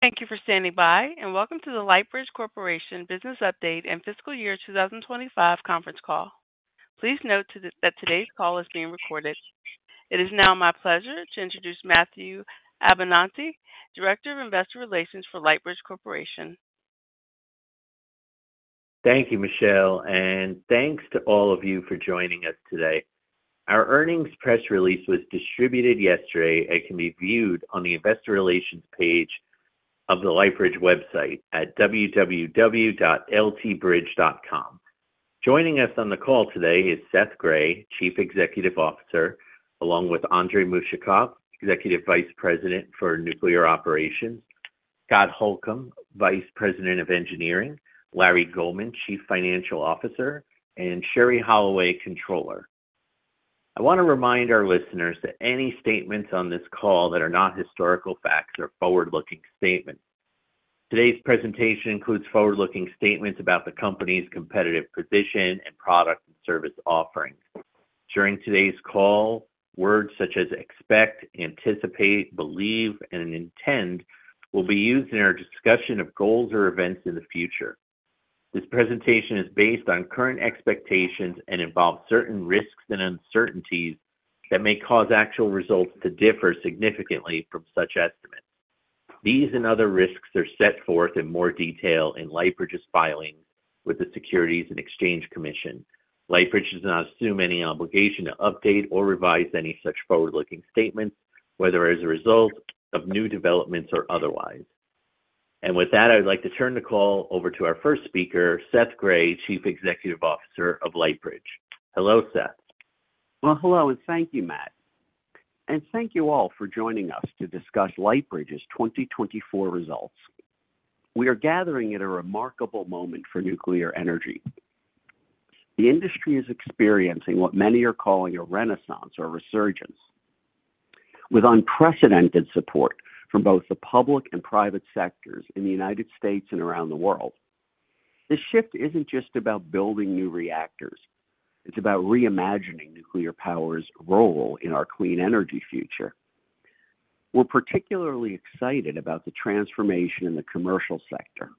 Thank you for standing by, and welcome to the Lightbridge Corporation business update and fiscal year 2025 conference call. Please note that today's call is being recorded. It is now my pleasure to introduce Matthew Abenante, Director of Investor Relations for Lightbridge Corporation. Thank you, Michelle, and thanks to all of you for joining us today. Our earnings press release was distributed yesterday and can be viewed on the Investor Relations page of the Lightbridge website at www.ltbridge.com. Joining us on the call today is Seth Grae, Chief Executive Officer, along with Andrey Mushakov, Executive Vice President for Nuclear Operations, Scott Holcomb, Vice President of Engineering, Larry Goldman, Chief Financial Officer, and Sherrie Holloway, Controller. I want to remind our listeners that any statements on this call that are not historical facts are forward-looking statements. Today's presentation includes forward-looking statements about the company's competitive position and product and service offerings. During today's call, words such as expect, anticipate, believe, and intend will be used in our discussion of goals or events in the future. This presentation is based on current expectations and involves certain risks and uncertainties that may cause actual results to differ significantly from such estimates. These and other risks are set forth in more detail in Lightbridge's filings with the Securities and Exchange Commission. Lightbridge does not assume any obligation to update or revise any such forward-looking statements, whether as a result of new developments or otherwise. And with that, I would like to turn the call over to our first speaker, Seth Grae, Chief Executive Officer of Lightbridge. Hello, Seth. Hello and thank you, Matt. Thank you all for joining us to discuss Lightbridge's 2024 results. We are gathering at a remarkable moment for nuclear energy. The industry is experiencing what many are calling a renaissance or a resurgence, with unprecedented support from both the public and private sectors in the United States and around the world. This shift isn't just about building new reactors. It's about reimagining nuclear power's role in our clean energy future. We're particularly excited about the transformation in the commercial sector.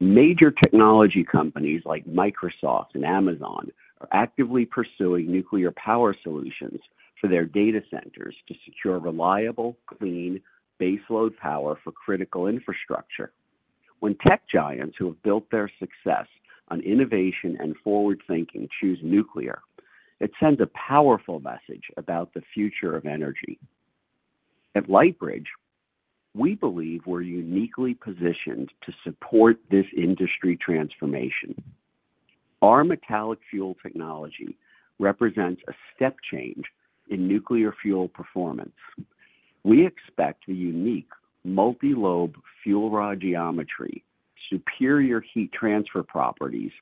Major technology companies like Microsoft and Amazon are actively pursuing nuclear power solutions for their data centers to secure reliable, clean baseload power for critical infrastructure. When tech giants who have built their success on innovation and forward-thinking choose nuclear, it sends a powerful message about the future of energy. At Lightbridge, we believe we're uniquely positioned to support this industry transformation. Our metallic fuel technology represents a step change in nuclear fuel performance. We expect the unique multi-lobe fuel rod geometry, superior heat transfer properties,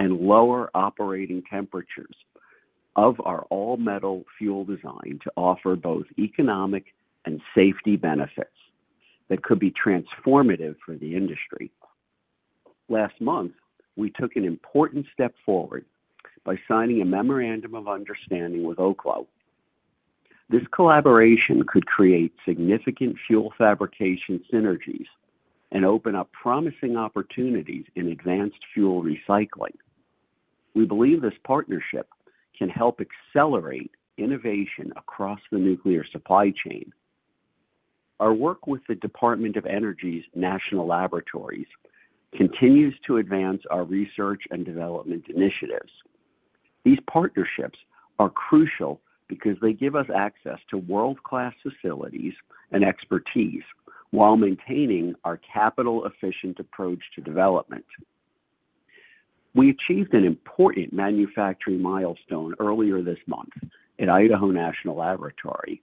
and lower operating temperatures of our all-metal fuel design to offer both economic and safety benefits that could be transformative for the industry. Last month, we took an important step forward by signing a memorandum of understanding with Oklo. This collaboration could create significant fuel fabrication synergies and open up promising opportunities in advanced fuel recycling. We believe this partnership can help accelerate innovation across the nuclear supply chain. Our work with the Department of Energy's national laboratories continues to advance our research and development initiatives. These partnerships are crucial because they give us access to world-class facilities and expertise while maintaining our capital-efficient approach to development. We achieved an important manufacturing milestone earlier this month at Idaho National Laboratory.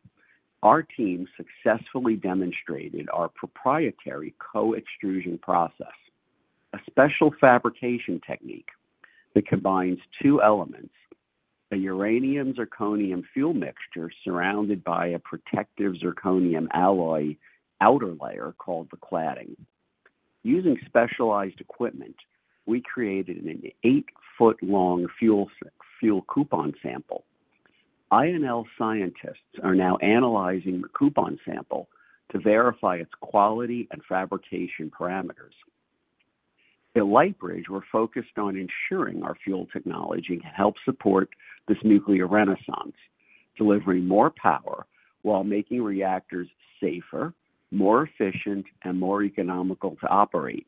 Our team successfully demonstrated our proprietary co-extrusion process, a special fabrication technique that combines two elements: a uranium zirconium fuel mixture surrounded by a protective zirconium alloy outer layer called the cladding. Using specialized equipment, we created an eight-foot-long fuel coupon sample. INL scientists are now analyzing the coupon sample to verify its quality and fabrication parameters. At Lightbridge, we're focused on ensuring our fuel technology can help support this nuclear renaissance, delivering more power while making reactors safer, more efficient, and more economical to operate.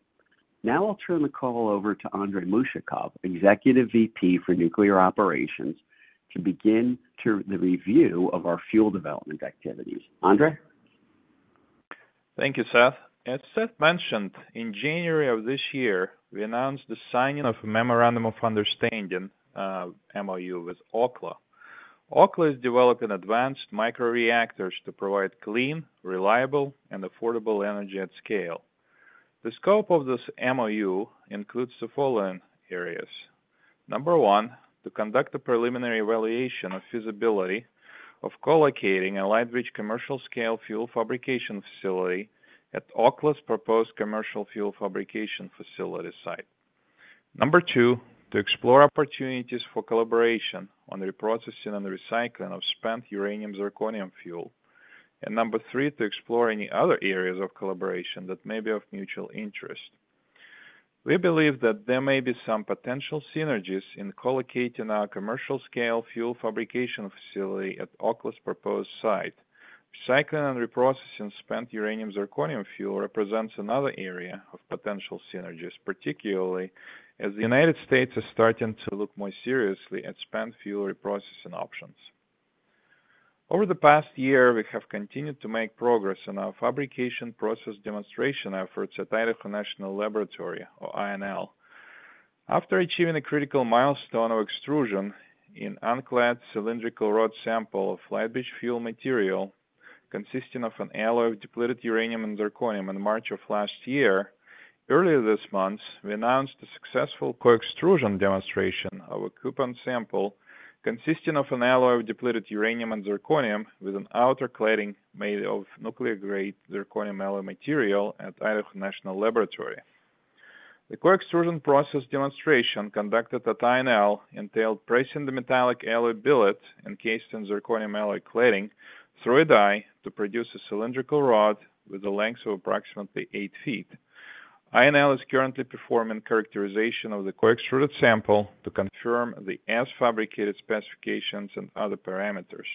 Now I'll turn the call over to Andrey Mushakov, Executive VP for Nuclear Operations, to begin the review of our fuel development activities. Andrey? Thank you, Seth. As Seth mentioned, in January of this year, we announced the signing of a memorandum of understanding (MOU) with Oklo. Oklo is developing advanced microreactors to provide clean, reliable, and affordable energy at scale. The scope of this MOU includes the following areas: Number one, to conduct a preliminary evaluation of feasibility of co-locating a Lightbridge commercial-scale fuel fabrication facility at Oklo's proposed commercial fuel fabrication facility site. Number two, to explore opportunities for collaboration on reprocessing and recycling of spent uranium zirconium fuel. And number three, to explore any other areas of collaboration that may be of mutual interest. We believe that there may be some potential synergies in co-locating our commercial-scale fuel fabrication facility at Oklo's proposed site. Recycling and reprocessing spent uranium zirconium fuel represents another area of potential synergies, particularly as the United States is starting to look more seriously at spent fuel reprocessing options. Over the past year, we have continued to make progress in our fabrication process demonstration efforts at Idaho National Laboratory, or INL. After achieving a critical milestone of extrusion in unclad cylindrical rod sample of Lightbridge Fuel material consisting of an alloy of depleted uranium and zirconium in March of last year, earlier this month, we announced a successful co-extrusion demonstration of a coupon sample consisting of an alloy of depleted uranium and zirconium with an outer cladding made of nuclear-grade zirconium alloy material at Idaho National Laboratory. The co-extrusion process demonstration conducted at INL entailed pressing the metallic alloy billet encased in zirconium alloy cladding through a die to produce a cylindrical rod with a length of approximately eight feet. INL is currently performing characterization of the co-extruded sample to confirm the as-fabricated specifications and other parameters.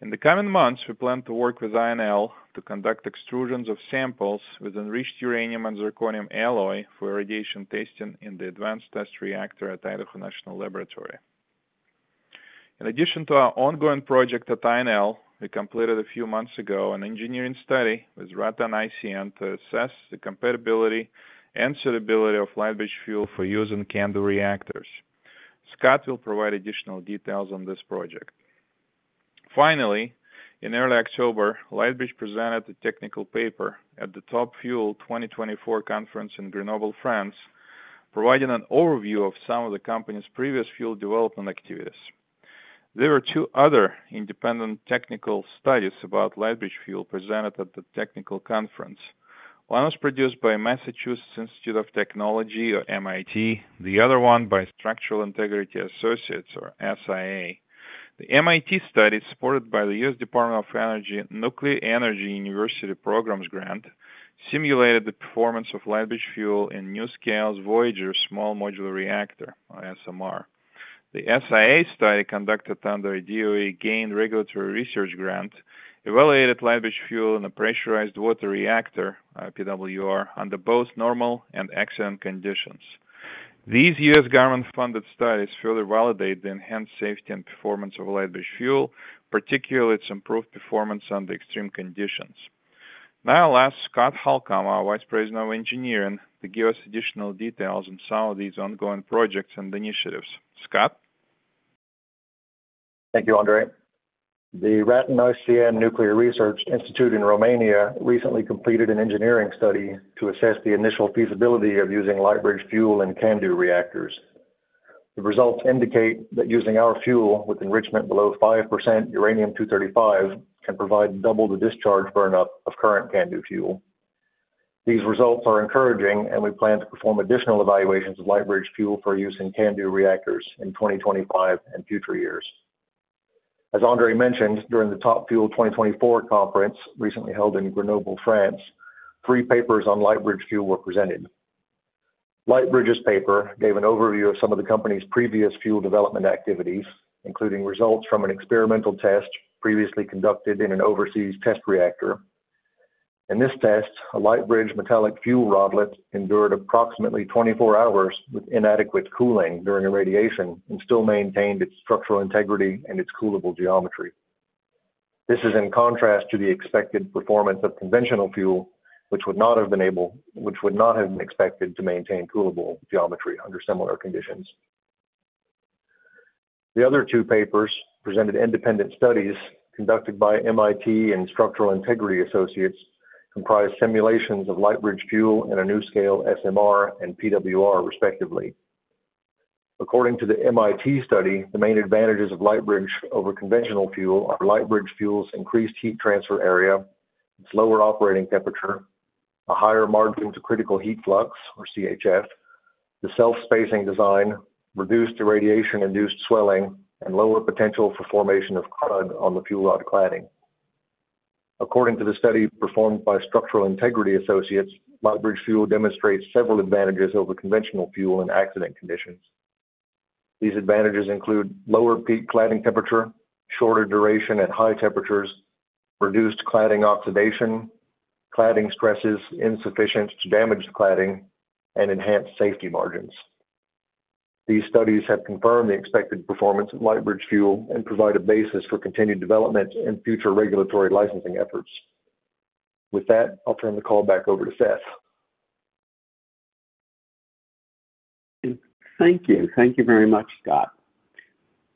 In the coming months, we plan to work with INL to conduct extrusions of samples with enriched uranium and zirconium alloy for irradiation testing in the Advanced Test Reactor at Idaho National Laboratory. In addition to our ongoing project at INL, we completed a few months ago an engineering study with RATEN ICN to assess the compatibility and suitability of Lightbridge Fuel for use in CANDU reactors. Scott will provide additional details on this project. Finally, in early October, Lightbridge presented a technical paper at the Top Fuel 2024 conference in Grenoble, France, providing an overview of some of the company's previous fuel development activities. There were two other independent technical studies about Lightbridge Fuel presented at the technical conference. One was produced by Massachusetts Institute of Technology, or MIT. The other one by Structural Integrity Associates, or SIA. The MIT study, supported by the U.S. Department of Energy Nuclear Energy University Program grant, simulated the performance of Lightbridge Fuel in NuScale's VOYGR Small Modular Reactor, or SMR. The SIA study, conducted under a DOE GAIN regulatory research grant, evaluated Lightbridge Fuel in a pressurized water reactor, or PWR, under both normal and accident conditions. These U.S. government-funded studies further validate the enhanced safety and performance of Lightbridge Fuel, particularly its improved performance under extreme conditions. Now, I'll ask Scott Holcomb, our Vice President of Engineering, to give us additional details on some of these ongoing projects and initiatives. Scott? Thank you, Andrey. The RATEN ICN Nuclear Research Institute in Romania recently completed an engineering study to assess the initial feasibility of using Lightbridge Fuel in CANDU reactors. The results indicate that using our fuel with enrichment below 5% uranium-235 can provide double the discharge burnup of current CANDU fuel. These results are encouraging, and we plan to perform additional evaluations of Lightbridge Fuel for use in CANDU reactors in 2025 and future years. As Andrey mentioned, during the Top Fuel 2024 conference recently held in Grenoble, France, three papers on Lightbridge Fuel were presented. Lightbridge's paper gave an overview of some of the company's previous fuel development activities, including results from an experimental test previously conducted in an overseas test reactor. In this test, a Lightbridge metallic fuel rodlet endured approximately 24 hours with inadequate cooling during irradiation and still maintained its structural integrity and its coolable geometry. This is in contrast to the expected performance of conventional fuel, which would not have been expected to maintain coolable geometry under similar conditions. The other two papers presented independent studies conducted by MIT and Structural Integrity Associates, comprised simulations of Lightbridge Fuel in a NuScale SMR and PWR, respectively. According to the MIT study, the main advantages of Lightbridge over conventional fuel are Lightbridge Fuel's increased heat transfer area, its lower operating temperature, a higher margin to critical heat flux, or CHF, the self-spacing design, reduced irradiation-induced swelling, and lower potential for formation of crud on the fuel rod cladding. According to the study performed by Structural Integrity Associates, Lightbridge Fuel demonstrates several advantages over conventional fuel in accident conditions. These advantages include lower cladding temperature, shorter duration at high temperatures, reduced cladding oxidation, cladding stresses insufficient to damage the cladding, and enhanced safety margins. These studies have confirmed the expected performance of Lightbridge Fuel and provide a basis for continued development and future regulatory licensing efforts. With that, I'll turn the call back over to Seth. Thank you. Thank you very much, Scott.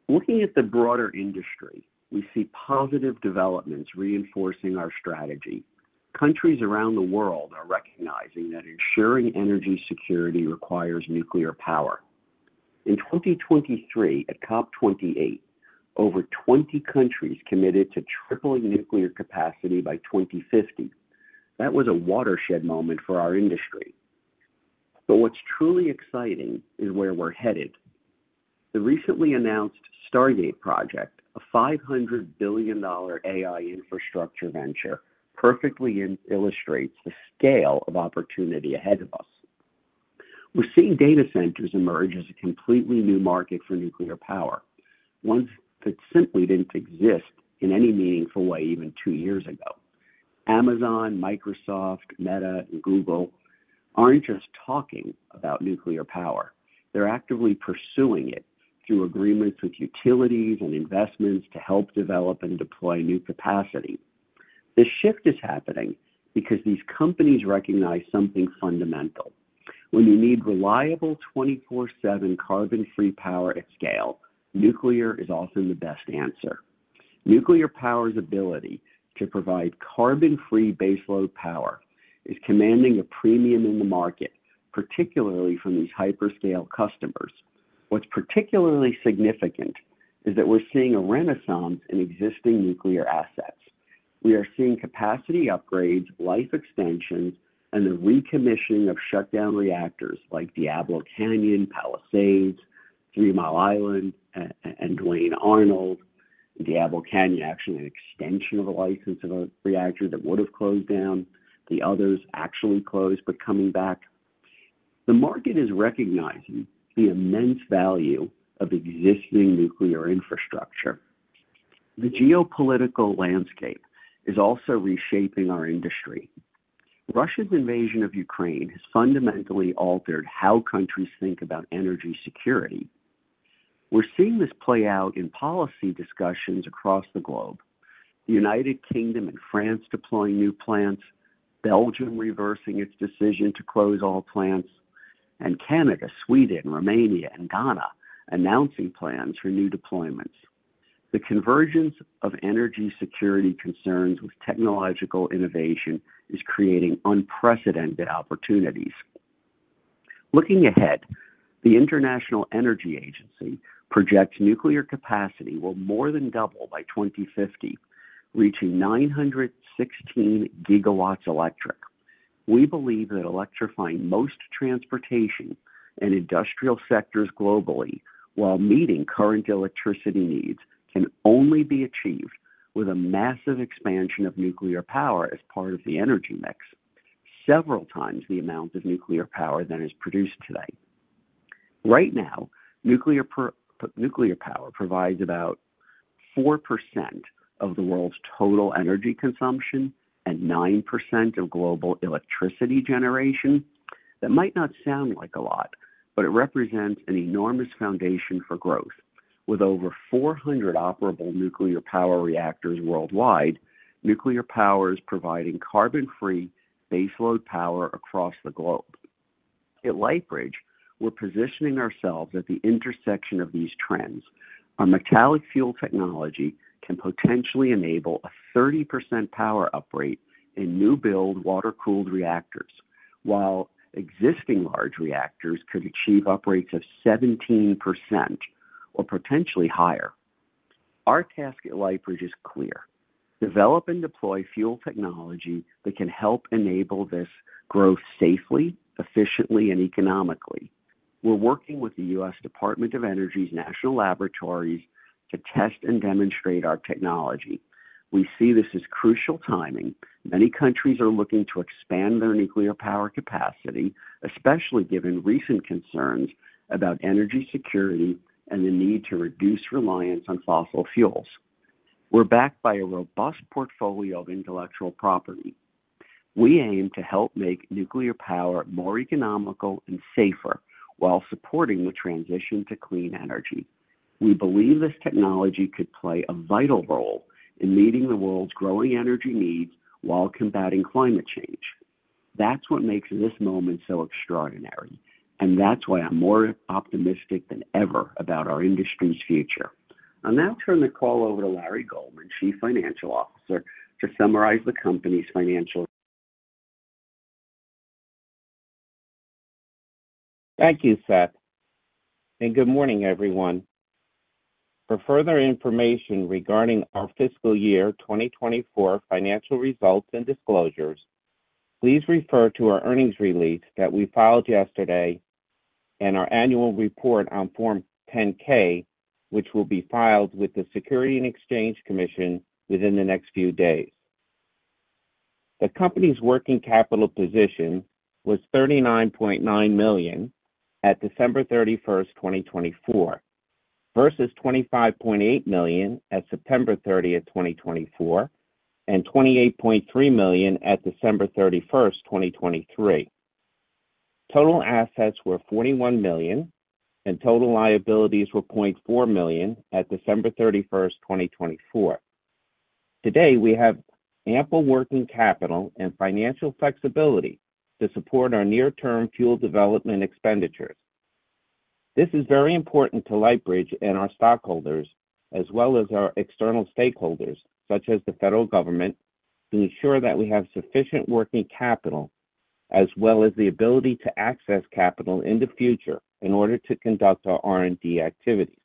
Looking at the broader industry, we see positive developments reinforcing our strategy. Countries around the world are recognizing that ensuring energy security requires nuclear power. In 2023, at COP28, over 20 countries committed to tripling nuclear capacity by 2050. That was a watershed moment for our industry. But what's truly exciting is where we're headed. The recently announced Stargate project, a $500 billion AI infrastructure venture, perfectly illustrates the scale of opportunity ahead of us. We're seeing data centers emerge as a completely new market for nuclear power, ones that simply didn't exist in any meaningful way even two years ago. Amazon, Microsoft, Meta, and Google aren't just talking about nuclear power. They're actively pursuing it through agreements with utilities and investments to help develop and deploy new capacity. This shift is happening because these companies recognize something fundamental. When you need reliable 24/7 carbon-free power at scale, nuclear is often the best answer. Nuclear power's ability to provide carbon-free baseload power is commanding a premium in the market, particularly from these hyperscale customers. What's particularly significant is that we're seeing a renaissance in existing nuclear assets. We are seeing capacity upgrades, life extensions, and the recommissioning of shutdown reactors like Diablo Canyon, Palisades, Three Mile Island, and Duane Arnold. Diablo Canyon is actually an extension of a license of a reactor that would have closed down. The others actually closed, but coming back. The market is recognizing the immense value of existing nuclear infrastructure. The geopolitical landscape is also reshaping our industry. Russia's invasion of Ukraine has fundamentally altered how countries think about energy security. We're seeing this play out in policy discussions across the globe: the United Kingdom and France deploying new plants, Belgium reversing its decision to close all plants, and Canada, Sweden, Romania, and Ghana announcing plans for new deployments. The convergence of energy security concerns with technological innovation is creating unprecedented opportunities. Looking ahead, the International Energy Agency projects nuclear capacity will more than double by 2050, reaching 916 gigawatts electric. We believe that electrifying most transportation and industrial sectors globally while meeting current electricity needs can only be achieved with a massive expansion of nuclear power as part of the energy mix, several times the amount of nuclear power that is produced today. Right now, nuclear power provides about 4% of the world's total energy consumption and 9% of global electricity generation. That might not sound like a lot, but it represents an enormous foundation for growth. With over 400 operable nuclear power reactors worldwide, nuclear power is providing carbon-free baseload power across the globe. At Lightbridge, we're positioning ourselves at the intersection of these trends. Our metallic fuel technology can potentially enable a 30% power uprate in new-build water-cooled reactors, while existing large reactors could achieve uprates of 17% or potentially higher. Our task at Lightbridge is clear: develop and deploy fuel technology that can help enable this growth safely, efficiently, and economically. We're working with the U.S. Department of Energy's national laboratories to test and demonstrate our technology. We see this as crucial timing. Many countries are looking to expand their nuclear power capacity, especially given recent concerns about energy security and the need to reduce reliance on fossil fuels. We're backed by a robust portfolio of intellectual property. We aim to help make nuclear power more economical and safer while supporting the transition to clean energy. We believe this technology could play a vital role in meeting the world's growing energy needs while combating climate change. That's what makes this moment so extraordinary. And that's why I'm more optimistic than ever about our industry's future. I'll now turn the call over to Larry Goldman, Chief Financial Officer, to summarize the company's financial. Thank you, Seth, and good morning, everyone. For further information regarding our fiscal year 2024 financial results and disclosures, please refer to our earnings release that we filed yesterday and our annual report on Form 10-K, which will be filed with the Securities and Exchange Commission within the next few days. The company's working capital position was $39.9 million at December 31, 2024, versus $25.8 million at September 30, 2024, and $28.3 million at December 31, 2023. Total assets were $41 million, and total liabilities were $0.4 million at December 31, 2024. Today, we have ample working capital and financial flexibility to support our near-term fuel development expenditures. This is very important to Lightbridge and our stockholders, as well as our external stakeholders, such as the federal government, to ensure that we have sufficient working capital, as well as the ability to access capital in the future in order to conduct our R&D activities.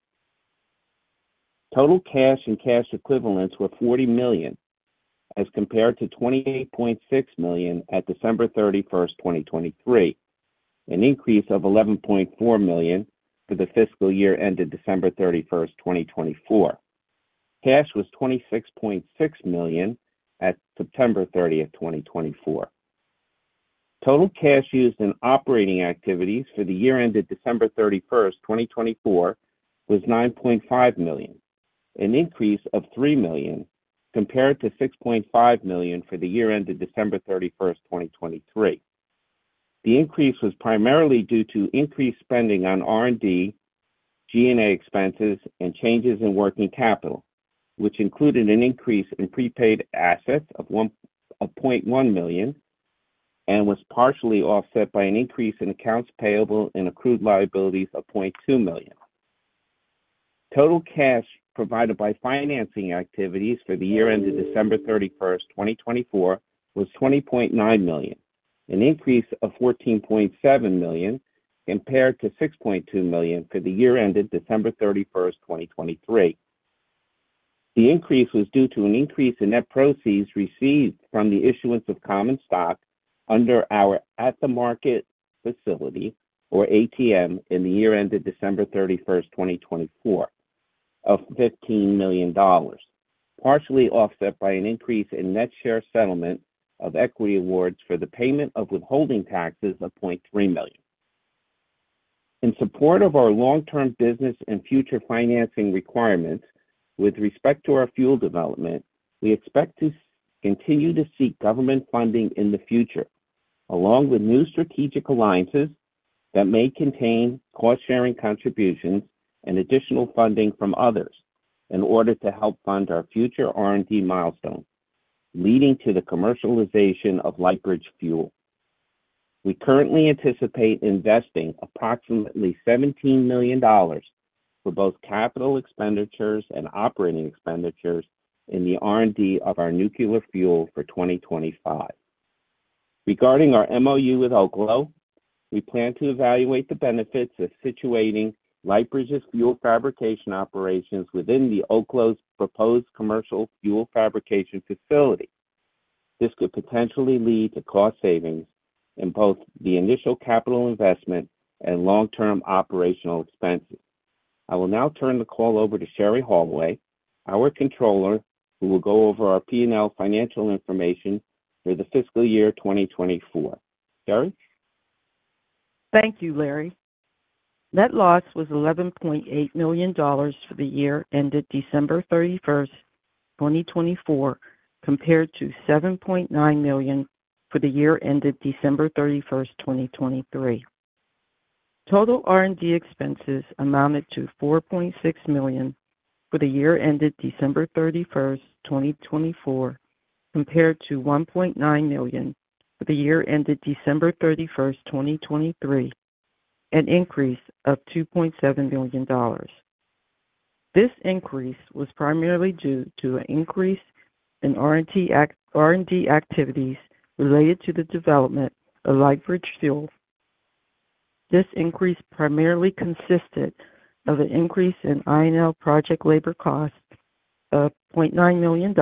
Total cash and cash equivalents were $40 million, as compared to $28.6 million at December 31, 2023, an increase of $11.4 million for the fiscal year ended December 31, 2024. Cash was $26.6 million at September 30, 2024. Total cash used in operating activities for the year ended December 31, 2024, was $9.5 million, an increase of $3 million, compared to $6.5 million for the year ended December 31, 2023. The increase was primarily due to increased spending on R&D, G&A expenses, and changes in working capital, which included an increase in prepaid assets of $1.1 million and was partially offset by an increase in accounts payable and accrued liabilities of $0.2 million. Total cash provided by financing activities for the year ended December 31, 2024, was $20.9 million, an increase of $14.7 million compared to $6.2 million for the year ended December 31, 2023. The increase was due to an increase in net proceeds received from the issuance of common stock under our at-the-market facility, or ATM, in the year ended December 31, 2024, of $15 million, partially offset by an increase in net share settlement of equity awards for the payment of withholding taxes of $0.3 million. In support of our long-term business and future financing requirements, with respect to our fuel development, we expect to continue to seek government funding in the future, along with new strategic alliances that may contain cost-sharing contributions and additional funding from others in order to help fund our future R&D milestone, leading to the commercialization of Lightbridge Fuel. We currently anticipate investing approximately $17 million for both capital expenditures and operating expenditures in the R&D of our nuclear fuel for 2025. Regarding our MOU with Oklo, we plan to evaluate the benefits of situating Lightbridge's fuel fabrication operations within Oklo's proposed commercial fuel fabrication facility. This could potentially lead to cost savings in both the initial capital investment and long-term operational expenses. I will now turn the call over to Sherrie Holloway, our controller, who will go over our P&L financial information for the fiscal year 2024. Sherrie? Thank you, Larry. Net loss was $11.8 million for the year ended December 31, 2024, compared to $7.9 million for the year ended December 31, 2023. Total R&D expenses amounted to $4.6 million for the year ended December 31, 2024, compared to $1.9 million for the year ended December 31, 2023, an increase of $2.7 million. This increase was primarily due to an increase in R&D activities related to the development of Lightbridge Fuel. This increase primarily consisted of an increase in INL project labor costs of $0.9 million,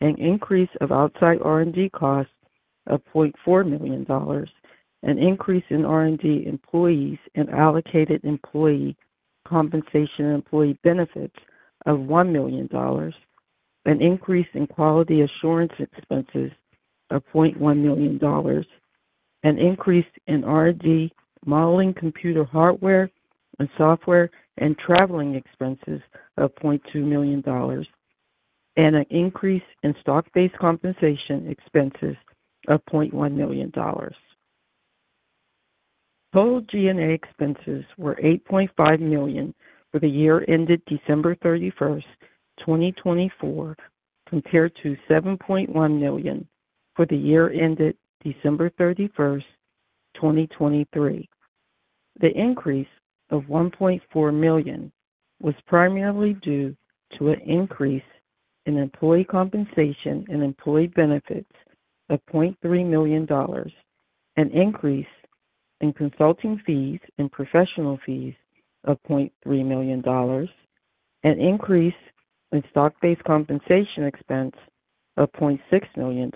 an increase of outside R&D costs of $0.4 million, an increase in R&D employees and allocated employee compensation and employee benefits of $1 million, an increase in quality assurance expenses of $0.1 million, an increase in R&D modeling computer hardware and software and traveling expenses of $0.2 million, and an increase in stock-based compensation expenses of $0.1 million. Total G&A expenses were $8.5 million for the year ended December 31, 2024, compared to $7.1 million for the year ended December 31, 2023. The increase of $1.4 million was primarily due to an increase in employee compensation and employee benefits of $0.3 million, an increase in consulting fees and professional fees of $0.3 million, an increase in stock-based compensation expense of $0.6 million,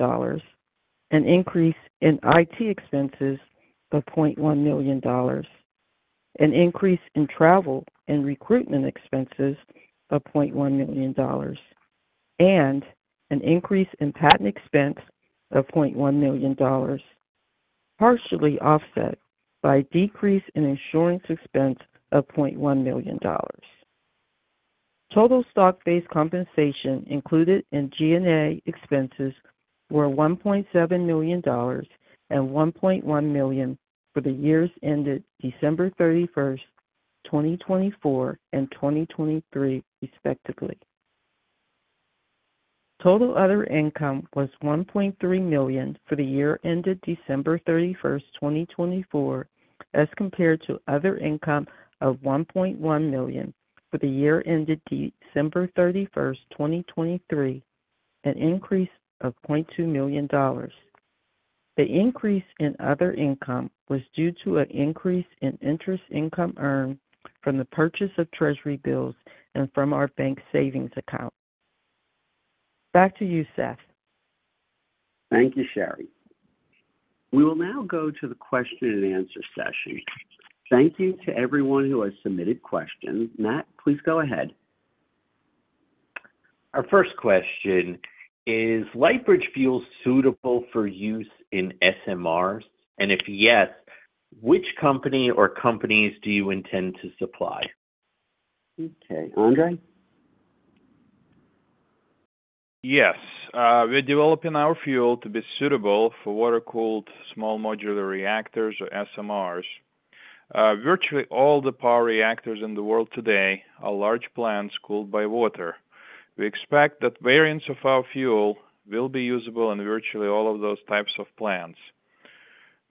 an increase in IT expenses of $0.1 million, an increase in travel and recruitment expenses of $0.1 million, and an increase in patent expense of $0.1 million, partially offset by a decrease in insurance expense of $0.1 million. Total stock-based compensation included in G&A expenses were $1.7 million and $1.1 million for the years ended December 31, 2024, and 2023, respectively. Total other income was $1.3 million for the year ended December 31, 2024, as compared to other income of $1.1 million for the year ended December 31, 2023, an increase of $0.2 million. The increase in other income was due to an increase in interest income earned from the purchase of treasury bills and from our bank savings account. Back to you, Seth. Thank you, Sherrie. We will now go to the question-and-answer session. Thank you to everyone who has submitted questions. Matt, please go ahead. Our first question is: Is Lightbridge Fuel suitable for use in SMRs? And if yes, which company or companies do you intend to supply? Okay. Andrey? Yes. We're developing our fuel to be suitable for water-cooled small modular reactors, or SMRs. Virtually all the power reactors in the world today are large plants cooled by water. We expect that variants of our fuel will be usable in virtually all of those types of plants.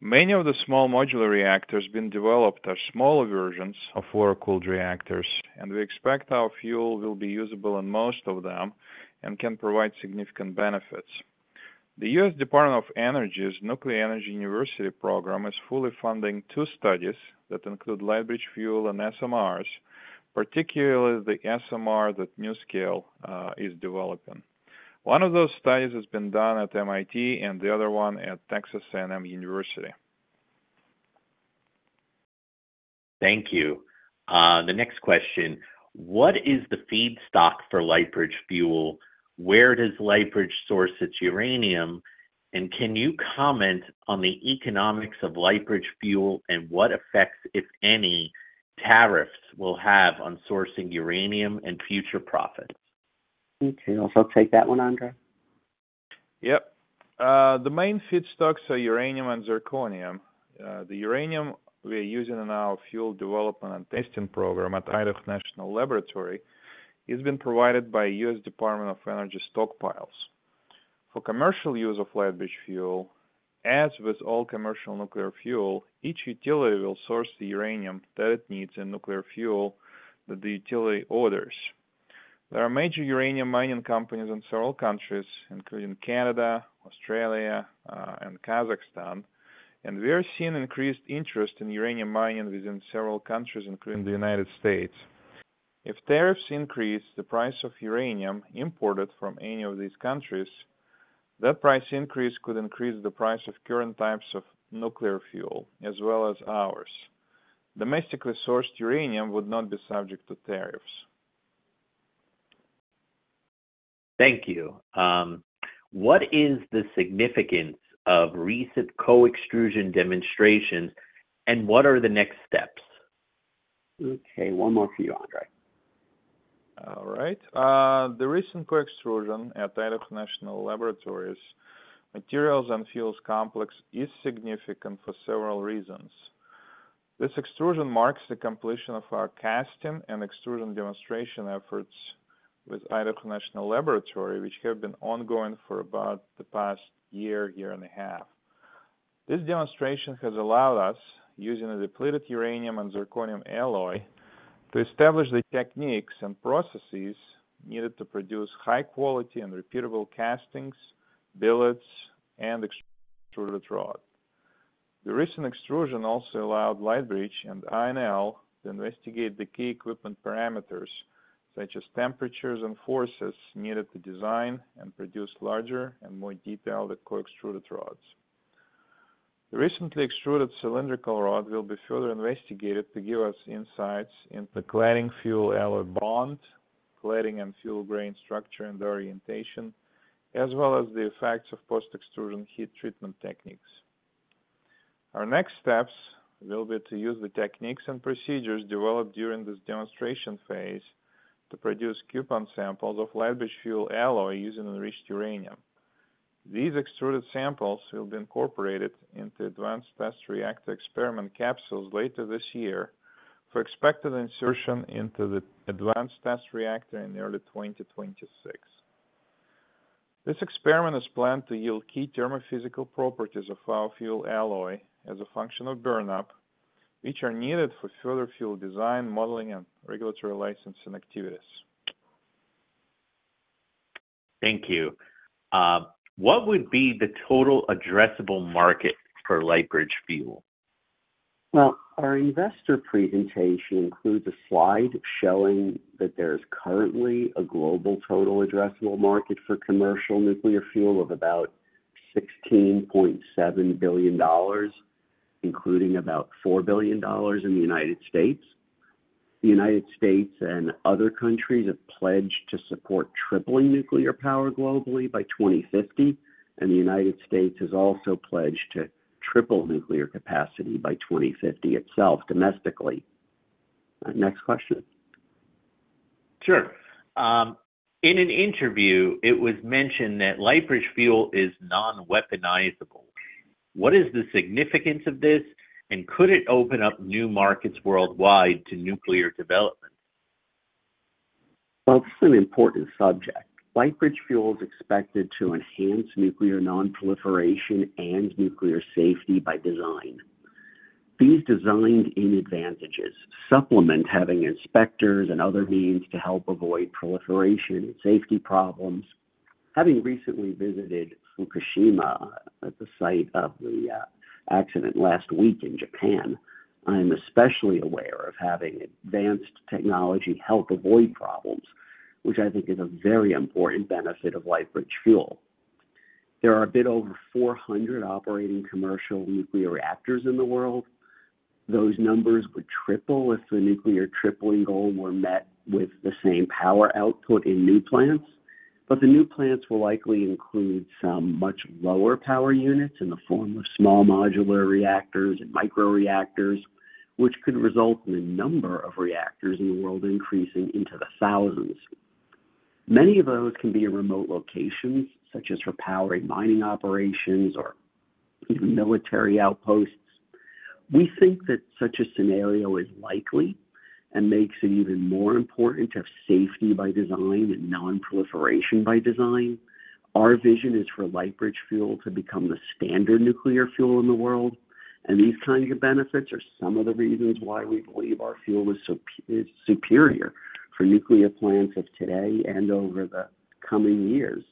Many of the small modular reactors being developed are smaller versions of water-cooled reactors, and we expect our fuel will be usable in most of them and can provide significant benefits. The U.S. Department of Energy's Nuclear Energy University program is fully funding two studies that include Lightbridge Fuel and SMRs, particularly the SMR that NuScale is developing. One of those studies has been done at MIT and the other one at Texas A&M University. Thank you. The next question, what is the feedstock for Lightbridge Fuel? Where does Lightbridge source its uranium? And can you comment on the economics of Lightbridge Fuel and what effects, if any, tariffs will have on sourcing uranium and future profits? Okay. I'll take that one, Andrey. Yep. The main feedstocks are uranium and zirconium. The uranium we're using in our fuel development and testing program at Idaho National Laboratory has been provided by the U.S. Department of Energy stockpiles. For commercial use of Lightbridge Fuel, as with all commercial nuclear fuel, each utility will source the uranium that it needs in nuclear fuel that the utility orders. There are major uranium mining companies in several countries, including Canada, Australia, and Kazakhstan, and we are seeing increased interest in uranium mining within several countries, including the United States. If tariffs increase the price of uranium imported from any of these countries, that price increase could increase the price of current types of nuclear fuel, as well as ours. Domestically sourced uranium would not be subject to tariffs. Thank you. What is the significance of recent co-extrusion demonstrations, and what are the next steps? Okay. One more for you, Andrey. All right. The recent co-extrusion at Idaho National Laboratory's Materials and Fuels Complex is significant for several reasons. This extrusion marks the completion of our casting and extrusion demonstration efforts with Idaho National Laboratory, which have been ongoing for about the past year, year and a half. This demonstration has allowed us, using a depleted uranium and zirconium alloy, to establish the techniques and processes needed to produce high-quality and repeatable castings, billets, and extruded rod. The recent extrusion also allowed Lightbridge and INL to investigate the key equipment parameters, such as temperatures and forces needed to design and produce larger and more detailed co-extruded rods. The recently extruded cylindrical rod will be further investigated to give us insights into cladding-fuel alloy bond, cladding and fuel grain structure and orientation, as well as the effects of post-extrusion heat treatment techniques. Our next steps will be to use the techniques and procedures developed during this demonstration phase to produce coupon samples of Lightbridge Fuel alloy using enriched uranium. These extruded samples will be incorporated into Advanced Test Teactor experiment capsules later this year for expected insertion into the Advanced Test Reactor in early 2026. This experiment is planned to yield key thermophysical properties of our fuel alloy as a function of burnup, which are needed for further fuel design, modeling, and regulatory licensing activities. Thank you. What would be the total addressable market for Lightbridge Fuel? Our investor presentation includes a slide showing that there is currently a global total addressable market for commercial nuclear fuel of about $16.7 billion, including about $4 billion in the United States. The United States and other countries have pledged to support tripling nuclear power globally by 2050, and the United States has also pledged to triple nuclear capacity by 2050 itself domestically. Next question. Sure. In an interview, it was mentioned that Lightbridge Fuel is non-weaponizable. What is the significance of this, and could it open up new markets worldwide to nuclear development? This is an important subject. Lightbridge Fuel is expected to enhance nuclear non-proliferation and nuclear safety by design. These designed in advantages supplement having inspectors and other means to help avoid proliferation and safety problems. Having recently visited Fukushima at the site of the accident last week in Japan, I'm especially aware of having advanced technology help avoid problems, which I think is a very important benefit of Lightbridge Fuel. There are a bit over 400 operating commercial nuclear reactors in the world. Those numbers would triple if the nuclear tripling goal were met with the same power output in new plants. But the new plants will likely include some much lower power units in the form of small modular reactors and micro-reactors, which could result in the number of reactors in the world increasing into the thousands. Many of those can be in remote locations, such as for powering mining operations or military outposts. We think that such a scenario is likely and makes it even more important to have safety by design and non-proliferation by design. Our vision is for Lightbridge Fuel to become the standard nuclear fuel in the world, and these kinds of benefits are some of the reasons why we believe our fuel is superior for nuclear plants of today and over the coming years.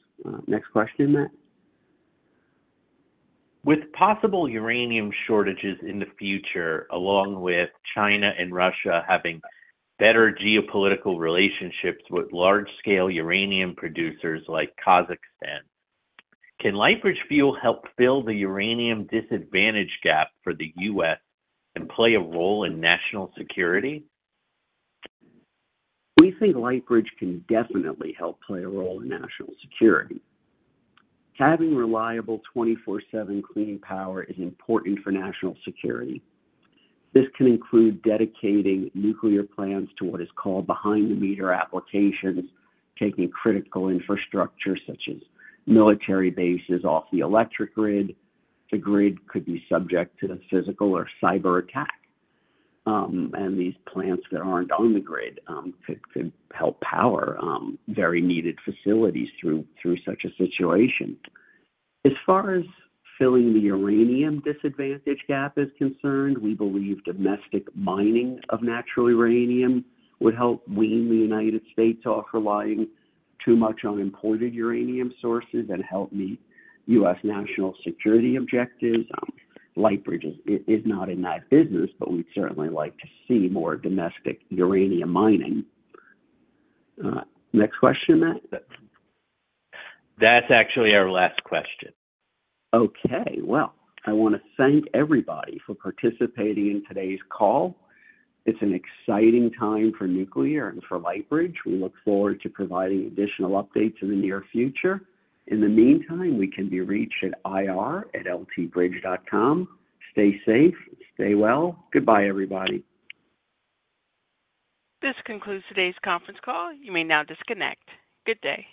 Next question, Matt. With possible uranium shortages in the future, along with China and Russia having better geopolitical relationships with large-scale uranium producers like Kazakhstan, can Lightbridge Fuel help fill the uranium disadvantage gap for the U.S. and play a role in national security? We think Lightbridge can definitely help play a role in national security. Having reliable 24/7 clean power is important for national security. This can include dedicating nuclear plants to what is called behind-the-meter applications, taking critical infrastructure such as military bases off the electric grid. The grid could be subject to a physical or cyber attack, and these plants that aren't on the grid could help power very needed facilities through such a situation. As far as filling the uranium disadvantage gap is concerned, we believe domestic mining of natural uranium would help wean the United States off relying too much on imported uranium sources and help meet U.S. national security objectives. Lightbridge is not in that business, but we'd certainly like to see more domestic uranium mining. Next question, Matt. That's actually our last question. Okay. I want to thank everybody for participating in today's call. It's an exciting time for nuclear and for Lightbridge. We look forward to providing additional updates in the near future. In the meantime, we can be reached at ir@ltbridge.com. Stay safe. Stay well. Goodbye, everybody. This concludes today's conference call. You may now disconnect. Good day.